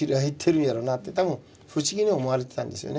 多分不思議に思われてたんですよね。